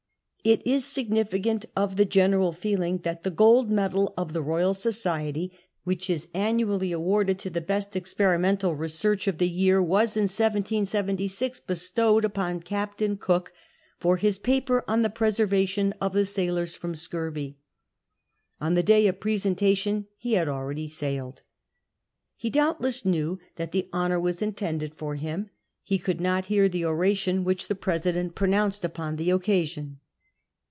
It is significant of the general feeling that the gold medal of the Royal Society, which is annually awarded to the best experimental research of the year, was in 1776 bestowed upon Captain Cook for his paper on the pre servation of the sailora from scurvy. On the day of pre sentation he had already sailed. He doubtless know that the honour was intended for him ; he could not hear the oration which the president pronounced upon the occasion.